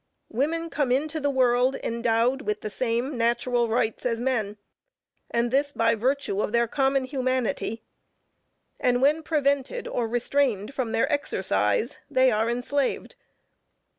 Women come into the world endowed with the same natural rights as men, and this by virtue of their common humanity, and when prevented or restrained from their exercise, they are enslaved.